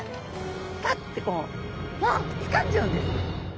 ガッてこうつかんじゃうんです。